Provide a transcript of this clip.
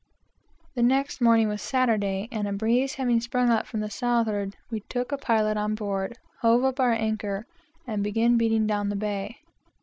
The next morning was Saturday, and a breeze having sprung up from the southward, we took a pilot on board, hove up our anchor, and began beating down the bay.